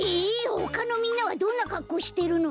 ほかのみんなはどんなかっこうしてるの？